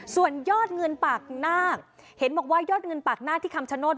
ส่วนยอดเงินปากนาคเห็นบอกว่ายอดเงินปากหน้าที่คำชโนธ